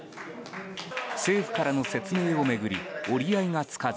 政府からの説明を巡り折り合いがつかず